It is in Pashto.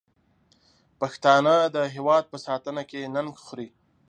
پښتانه د هېواد په ساتنه کې ننګ خوري.